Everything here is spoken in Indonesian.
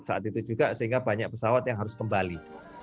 saat itu juga sehingga banyak pesawat yang harus kembali